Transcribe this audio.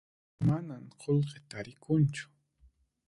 Manan qullqi tarikunchu